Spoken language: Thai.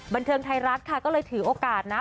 บันเทิงไทยรัฐค่ะก็เลยถือโอกาสนะ